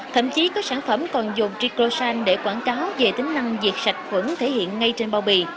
thậm chí có sản phẩm còn dùng trikosan để quảng cáo về tính năng diệt sạch vẫn thể hiện ngay trên bao bì